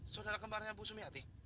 saudara kemarin yang pusumi hati